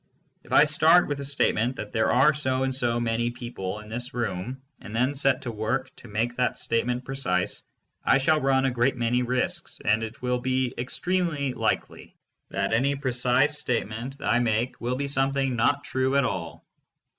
If I start with the statement that there are so and so many people in this room, and then set to work to make that statement precise, I shall run a great many risks and it will be extremely likely that any precise statement I make will be something not true at all.